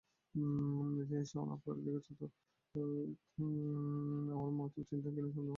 আমার মা ও চিনতেন কিনা সন্দেহ আছে।